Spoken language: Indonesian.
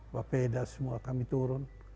bapeda semua kami turun